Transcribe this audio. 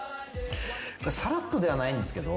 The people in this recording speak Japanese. さらっとではないんですけど。